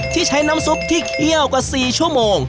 ที่ใช้น้ำซุปที่เคี่ยวกว่า๔ชั่วโมง